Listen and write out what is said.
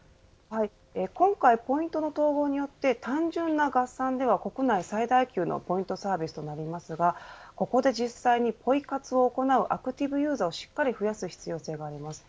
今回、ポイントの統合によって単純な合算では国内最大級のポイントサービスとなりますがここで実際に、ポイ活を行うアクティブユーザーをしっかり増やす必要性があります。